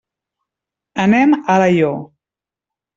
Anem a Alaior.